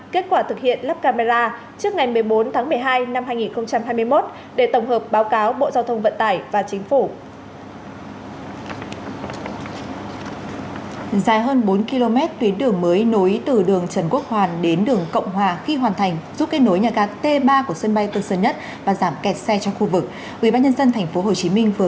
kết quả thực hiện lắp camera trước ngày một mươi bốn tháng một mươi hai năm hai nghìn hai mươi một để tổng hợp báo cáo bộ giao thông vận tải